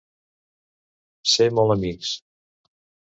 Ser molt amics.